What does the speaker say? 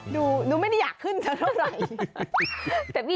ดูนู้นไม่ได้อยากขึ้นจะเท่าไร